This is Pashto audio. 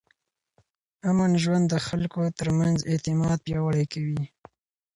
امن ژوند د خلکو ترمنځ اعتماد پیاوړی کوي.